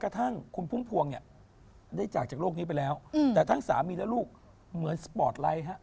แต่ทั้งสามีและลูกเหมือนสปอร์ตไลน์ฮะ